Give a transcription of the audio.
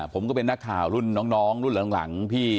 ผมก็เป็นนักข่าวรุ่นน้องรุ่นหลังพี่